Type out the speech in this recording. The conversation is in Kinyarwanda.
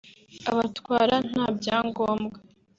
abatwara nta byangombwa